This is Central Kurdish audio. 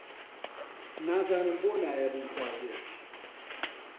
نازانم بۆ نایە بمخوازێ؟